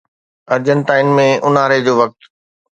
ارجنٽائن ۾ اونهاري جو وقت